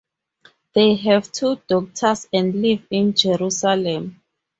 They have two daughters and live in Jerusalem.